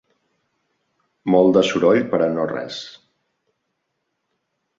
Molt de soroll per a no res.